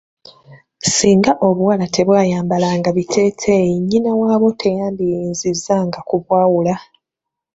Singa obuwala tebwayambalanga biteeteeyi nnyina waabwo teyandiyinzizzanga kubwawula.